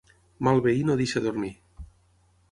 Mal veí no deixa dormir.